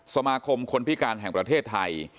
สมาคมคนพิการแห่งประเทศไทย